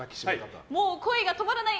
もう恋が止まらない！